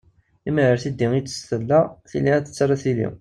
Lemmer ar tiddi i tt-tella, tili ad yettarra tili.